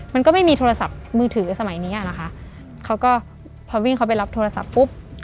มันก็ไม่มีโทรศัพท์มือถือสมัยนี้อ่ะนะคะเขาก็พอวิ่งเขาไปรับโทรศัพท์ปุ๊บ